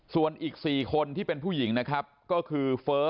ส่วนอีก๔คนที่เป็นผู้หญิงก็คือ